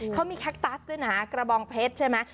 เขามีแคคตัสด้วยนะกระบองเพชรใช่ไหม